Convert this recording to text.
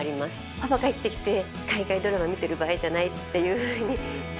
パパ帰ってきて、海外ドラマ見てる場合じゃないっていうふうに。